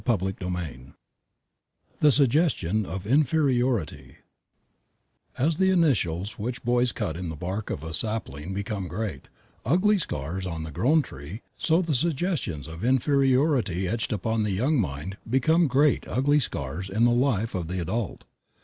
CHAPTER VIII THE SUGGESTION OF INFERIORITY As the initials which boys cut in the bark of a sapling become great, ugly scars on the grown tree, so the suggestions of inferiority etched upon the young mind become great ugly scars in the life of the adult.